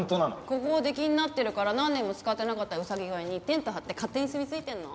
ここを出禁になってるから何年も使ってなかったうさぎ小屋にテント張って勝手に住み着いてるの。